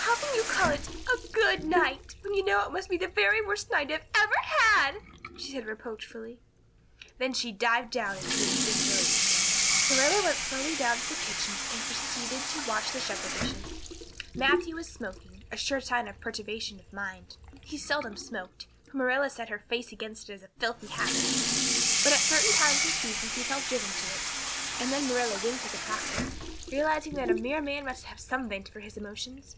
"How can you call it a good night when you know it must be the very worst night I've ever had?" she said reproachfully. Then she dived down into invisibility again. Marilla went slowly down to the kitchen and proceeded to wash the supper dishes. Matthew was smoking a sure sign of perturbation of mind. He seldom smoked, for Marilla set her face against it as a filthy habit; but at certain times and seasons he felt driven to it and them Marilla winked at the practice, realizing that a mere man must have some vent for his emotions.